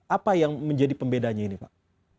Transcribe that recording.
apa yang menjadi pembedanya ini pak